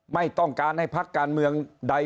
ไม่ต้องการให้พักการเมืองใด